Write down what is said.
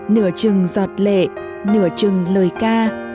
nửa chừng giọt lệ nửa chừng lời ca